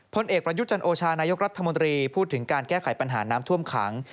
พลเอกประยุทธ์จันโอชานายกรัฐมนตรีพูดถึงการแก้ไขปัญหาน้ำท่วมขัง